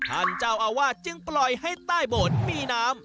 ท่านเจ้าอาวาสจึงปล่อยให้ใต้โบสถ์มีน้ำ